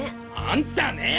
あんたねえ！